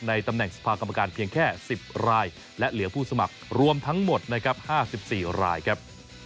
ตำแหน่งสภากรรมการเพียงแค่๑๐รายและเหลือผู้สมัครรวมทั้งหมดนะครับ๕๔รายครับ